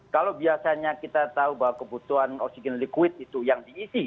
kalau biasanya kita tahu bahwa kebutuhan oksigen liquid itu yang diisi